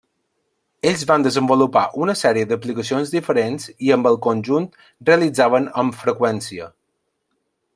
Ells van desenvolupar una sèrie d'aplicacions diferents i amb el conjunt realitzaven amb freqüència.